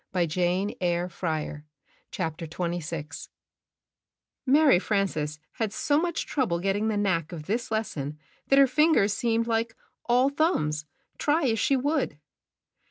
?p Don't bra^ 99 )te drew up the striE^i ARY FRANCES had so much trouble getting the knack of this lesson that her fingers seemed Hke "all thumbs," try as she would.